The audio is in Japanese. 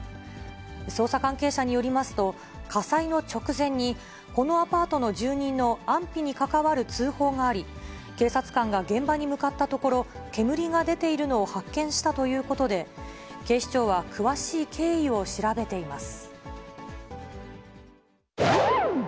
捜査関係者によりますと、火災の直前に、このアパートの住人の安否に関わる通報があり、警察官が現場に向かったところ、煙が出ているのを発見したということで、警視庁は詳しい経緯を調べています。